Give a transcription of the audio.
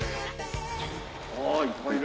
あっいっぱいいる！